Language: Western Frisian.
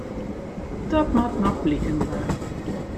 Dat moat noch bliken dwaan.